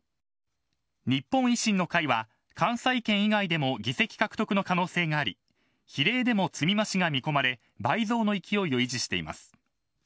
日本維新の会は関西圏以外でも議席獲得の可能性があり比例でも積み増しが見込まれ倍増の勢いを維持しています。